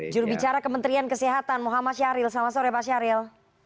jurubicara kementerian kesehatan muhammad syahril selamat sore pak syahril